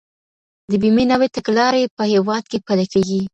د بيمې نوي تګلارې په هيواد کي پلي کيږي.